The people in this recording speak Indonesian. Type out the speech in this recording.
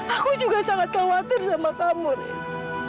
aku juga sangat khawatir sama kamu rid